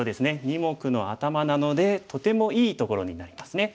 二目のアタマなのでとてもいいところになりますね。